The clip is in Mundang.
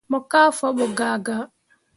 Mo kah fabo gaa gaa.